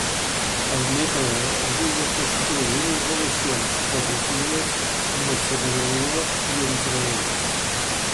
El mètode ajuda a construir unes relacions positives amb els treballadors i entre ells.